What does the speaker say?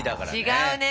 違うね。